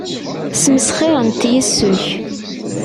Ssmesxirent yes-k.